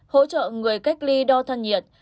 hỗ trợ người cách ly đo than nhiệt